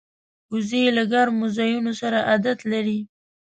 وزې له ګرمو ځایونو سره عادت لري